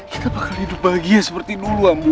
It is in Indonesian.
kita bakal hidup bahagia seperti dulu ambu